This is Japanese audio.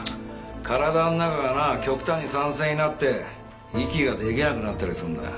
体の中がな極端に酸性になって息が出来なくなったりするんだよ。